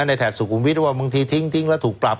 แถบสุขุมวิทย์ว่าบางทีทิ้งแล้วถูกปรับ